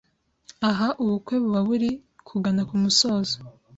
Aha ubukwe buba buri kugana ku musozo